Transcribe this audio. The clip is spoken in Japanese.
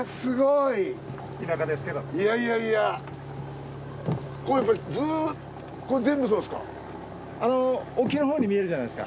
いやいやいやこれやっぱりこれ全部そうですか？